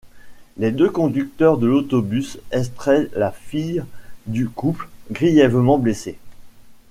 Les deux conducteurs de l'autobus extraient la fille du couple, grièvement blessée.